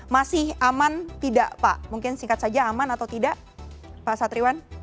masih aman tidak pak mungkin singkat saja aman atau tidak pak satriwan